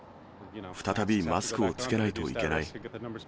再びマスクを着けないといけない。